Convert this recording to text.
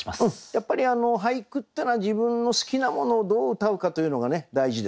やっぱり俳句ってのは自分の好きなものをどううたうかというのがね大事ですね。